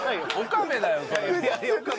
岡部だよそれもう。